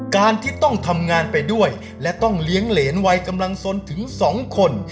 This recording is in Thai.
การที่ต้องทำงานไปด้วยและต้องเลี้ยงเหรนวัยกำลังสนถึง๒คน